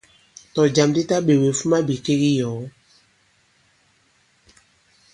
Tɔ̀jàm di taɓēwe, fuma bìkek i yɔ̀ɔ.